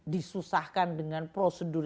disusahkan dengan prosedur